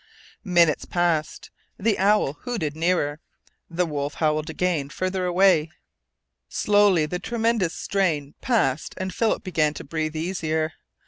Minutes passed. The owl hooted nearer; the wolf howled again, farther away. Slowly the tremendous strain passed and Philip began to breathe easier.